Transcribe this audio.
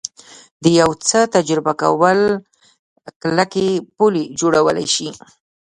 د یو څه تجربه کول کلکې پولې جوړولی شي